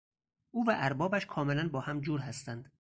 او و اربابش کاملا با هم جور هستند.